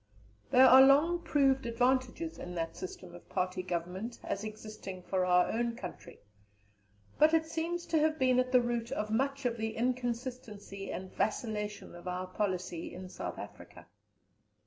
There are long proved advantages in that system of party government as existing for our own country, but it seems to have been at the root of much of the inconsistency and vacillation of our policy in South Africa.